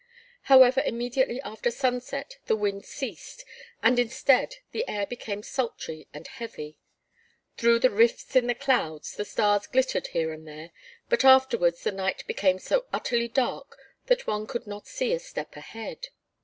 However, immediately after sunset the wind ceased, and instead, the air became sultry and heavy. Through the rifts in the clouds the stars glittered here and there, but afterwards the night became so utterly dark that one could not see a step ahead.